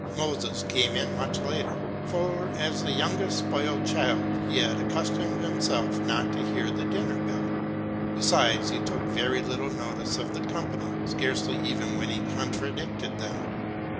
Moses came in much later; for, as the youngest spoiled child, he had accustomed himself not to hear the dinner bell. Besides, he took very little notice of the company, scarcely even when he contradicted them.